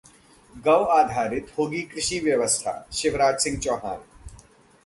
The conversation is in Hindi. गौ आधारित होगी कृषि व्यवस्था: शिवराज सिंह चौहान